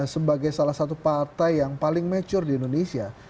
sebagai salah satu partai yang paling mature di indonesia